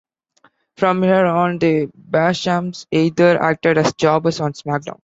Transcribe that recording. From here on, The Bashams either acted as jobbers on SmackDown!